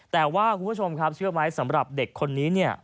แต่ว่าคุณผู้ชมครับเชื่อไหมสำหรับเด็กคนนี้เนี่ย